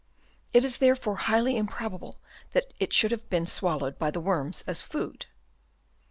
It is therefore highly improbable that it should have been swallowed by the worms as food.